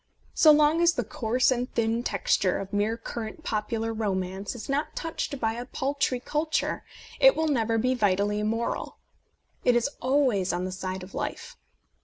So long as the coarse and thin texture of mere current popular romance is not touched by a paltry culture it will never be vitally immoral. It is always on the side of life.